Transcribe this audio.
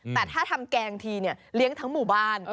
แต่ถ้าทำแกงทีเนี่ยเลี้ยงทั้งหมู่บ้าน